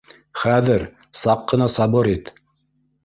Хәҙер, саҡ ҡына сабыр ит